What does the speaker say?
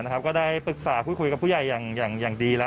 หลักที่เป็นข่าวออกมาทางสองสามีและ